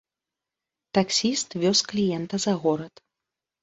Таксіст вёз кліента за горад.